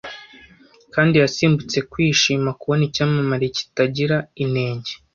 Kandi yasimbutse kwishima kubona icyamamare kitagira inenge